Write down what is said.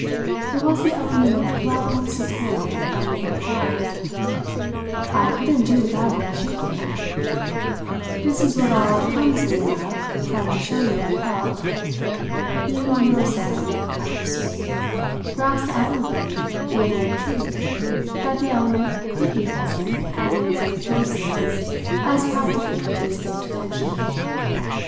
It was the element of collateral support that we both lacked. I couldn't do without it as you could. This was what I, clumsily enough, tried to show you I felt. You, on your side," I pursued, "grasped admirably the evident truth that that element could be present only in such doses as practically to escape detection."